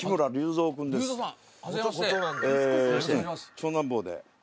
長男坊で。